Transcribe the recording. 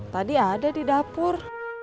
tadi ada di dapur